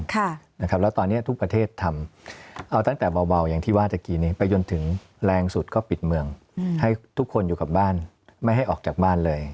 แล้วตอนนี้ทุกประเทศทำเอาตั้งแต่เบาอย่างที่ว่าเมื่อกี้นี้ไปจนถึงแรงสุดก็ปิดเมืองให้ทุกคนอยู่กับบ้านไม่ให้ออกจากบ้านเลย